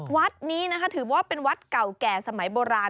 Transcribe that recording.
วัดนี้นะคะถือว่าเป็นวัดเก่าแก่สมัยโบราณ